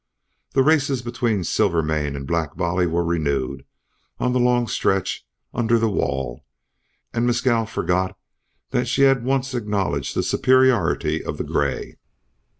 The races between Silvermane and Black Bolly were renewed on the long stretch under the wall, and Mescal forgot that she had once acknowledged the superiority of the gray.